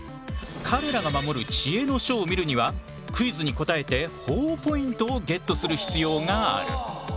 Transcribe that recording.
彼らが守る知恵の書を見るにはクイズに答えてほぉポイントをゲットする必要がある。